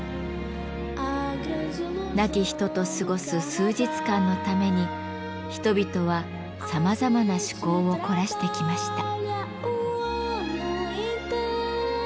亡き人と過ごす数日間のために人々はさまざまな趣向を凝らしてきました。